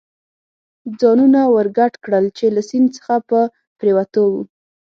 ځانونه ور ګډ کړل، چې له سیند څخه په پورېوتو و.